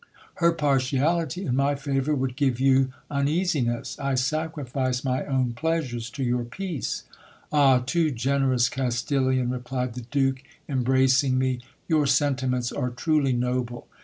Her partiality in my favour would give you uneasiness ; I sacrifice my own pleasures to your peace. Ah ! too generous Castilian, replied the Duke, embracing me, your sentiments are truly noble.